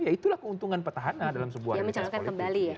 ya itulah keuntungan petahana dalam sebuah realitas politik